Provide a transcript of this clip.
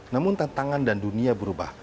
namun tantangan dan dunia berubah